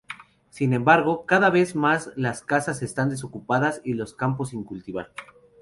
Sin embargo cada vez más, las casas están desocupadas, y los campos sin cultivar.